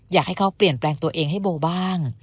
อยากให้เขาเปลี่ยนแปลงตัวเองให้โบบ้าง